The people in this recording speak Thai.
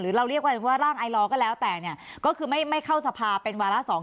เราเรียกว่าร่างไอลอก็แล้วแต่เนี่ยก็คือไม่เข้าสภาเป็นวาระสอง